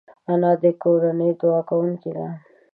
انا د کورنۍ دعا کوونکې ده